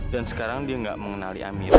dan sekarang dia gak mengenali amira